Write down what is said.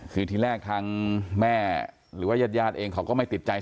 คือทีแรกทางแม่หรือว่ายาดเองเขาก็ไม่ติดใจ